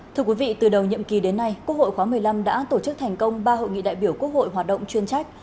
thưa quý vị từ đầu nhiệm kỳ đến nay quốc hội khóa một mươi năm đã tổ chức thành công ba hội nghị đại biểu quốc hội hoạt động chuyên trách